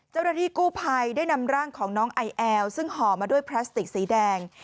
เจ้าหน้าที่กู้ภัยได้นำร่างของน้องไอแอลซึ่งห่อมาด้วยพลาสติกสีแดง